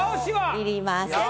要りません。